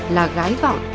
là gái vọng